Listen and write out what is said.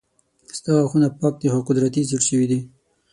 ستا غاښونه پاک دي خو قدرتي زيړ شوي دي